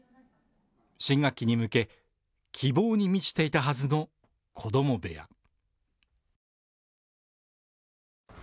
新学期に向け、希望に満ちていたはずの子供部屋。